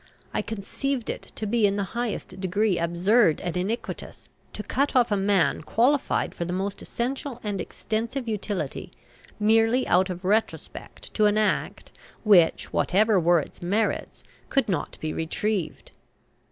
"I conceived it to be in the highest degree absurd and iniquitous, to cut off a man qualified for the most essential and extensive utility, merely out of retrospect to an act which, whatever were its merits, could not be retrieved."